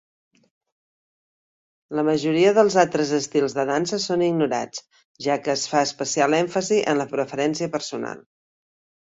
La majoria dels altres estils de dansa són ignorats, ja que es fa especial èmfasi en la preferència personal.